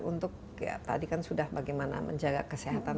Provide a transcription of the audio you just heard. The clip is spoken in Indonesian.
untuk ya tadi kan sudah bagaimana menjaga kesehatan